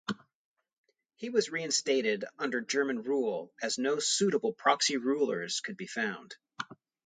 He was reinstated under German rule as no suitable proxy rulers could be found.